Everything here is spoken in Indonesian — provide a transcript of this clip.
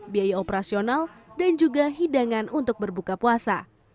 biaya operasional dan juga hidangan untuk berbuka puasa